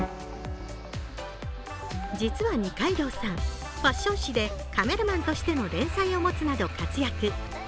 実は二階堂さん、ファッション誌でカメラマンとしての連載を持つなど活躍。